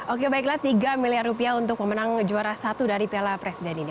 oke baiklah tiga miliar rupiah untuk memenang juara satu dari piala presiden ini